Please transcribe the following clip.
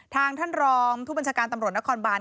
ท่านรองผู้บัญชาการตำรวจนครบาน